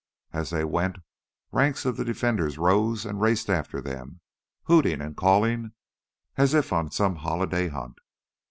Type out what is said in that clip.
And as they went, ranks of the defenders rose and raced after them, hooting and calling as if on some holiday hunt.